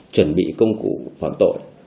chuẩn bị công cụ phạm tội